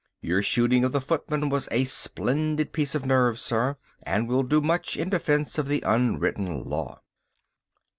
Your shooting of the footman was a splendid piece of nerve, sir, and will do much in defence of the unwritten law."